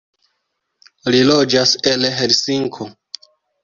Li loĝas en Helsinko.